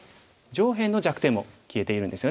上辺の弱点も消えているんですよね。